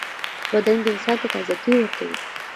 بادرنګ انسان ته تازهګۍ ورکوي.